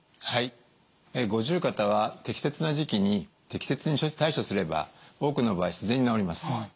はい五十肩は適切な時期に適切に対処すれば多くの場合自然に治ります。